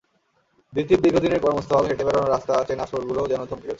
দিতির দীর্ঘদিনের কর্মস্থল, হেঁটে বেড়ানো রাস্তা, চেনা ফ্লোরগুলোও যেন থমকে গেছে।